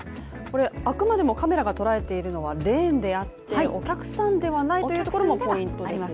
あくまでもカメラが捉えているのはレーンであってお客さんではないというところもポイントですよね。